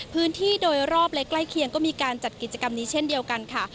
พื้นที่โดยรอบและใกล้เคียงก็มีการจัดกิจกรรมนี้เช่นเดียวกันค่ะ